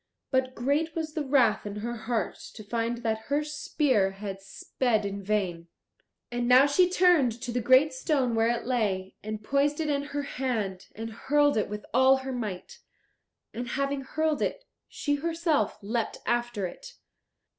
But great was the wrath in her heart to find that her spear had sped in vain. And now she turned to the great stone where it lay, and poised it in her hand, and hurled it with all her might. And having hurled it, she herself leapt after it.